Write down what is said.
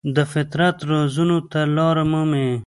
د فطرت رازونو ته لاره مومي.